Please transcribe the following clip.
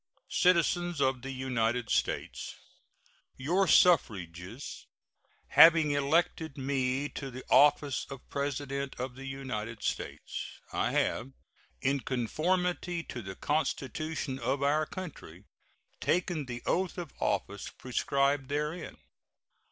Citizens of the United States: Your suffrages having elected me to the office of President of the United States, I have, in conformity to the Constitution of our country, taken the oath of office prescribed therein.